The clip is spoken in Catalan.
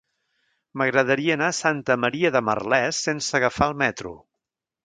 M'agradaria anar a Santa Maria de Merlès sense agafar el metro.